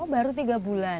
oh baru tiga bulan